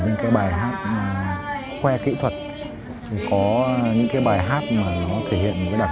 mây tuy tàng ơ ơ làng